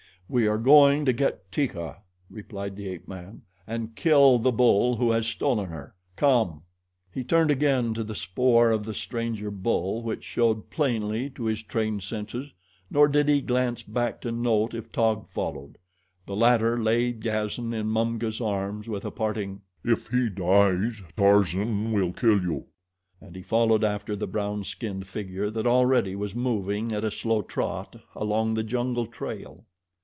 "We are going to get Teeka," replied the ape man, "and kill the bull who has stolen her. Come!" He turned again to the spoor of the stranger bull, which showed plainly to his trained senses, nor did he glance back to note if Taug followed. The latter laid Gazan in Mumga's arms with a parting: "If he dies Tarzan will kill you," and he followed after the brown skinned figure that already was moving at a slow trot along the jungle trail.